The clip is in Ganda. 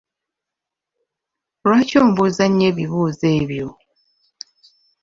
Lwaki ombuuza nnyo ebibuuzo ebyo?